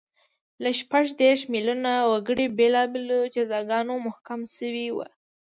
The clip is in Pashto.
له شپږ دېرش میلیونه وګړي بېلابېلو جزاګانو محکوم شوي وو